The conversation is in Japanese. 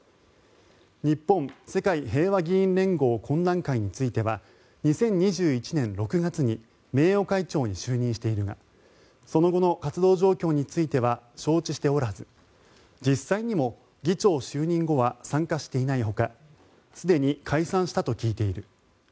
日本、世界平和議員連合懇談会については２０２１年６月に名誉会長に就任しているがその後の活動状況については承知しておらず実際にも議長就任後は参加していないほかすでに解散したと聞いている。